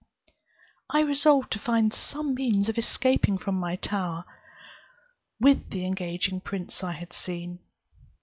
"I resolved to find some means of escaping from my tower with the engaging prince I had seen.